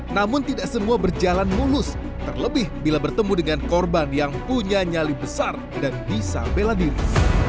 namun tidak semua berjalan mulus terlebih bila bertemu dengan korban yang punya nyali besar dan bisa bela diri